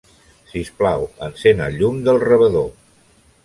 Sisplau, encén el llum del rebedor.